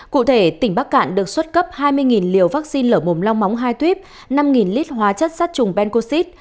cụ thể tỉnh bắc cạn được xuất cấp hai mươi liều vaccine lở mồm long móng hai tuyếp năm lít hóa chất sát trùng bencoxid